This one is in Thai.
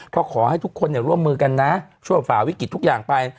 ก็ขอให้ทุกคนร่วมมือกันนะช่วยฝ่าวิกฤตทุกอย่างไป